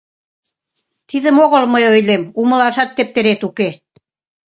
Тидым огыл мый ойлем... умылашат тептерет уке...